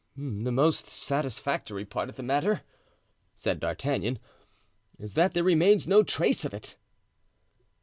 "The most satisfactory part of the matter," said D'Artagnan, "is that there remains no trace of it."